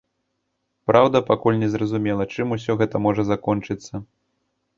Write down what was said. Праўда, пакуль не зразумела, чым усё гэта можа закончыцца.